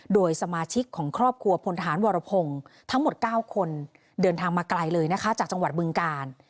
โดยสมาชิกของครอบครัวพลทหารวรพงศ์ทั้งหมด๙คนเดินทางมาไกลเลยนะคะจากจังหวัดบึงกาล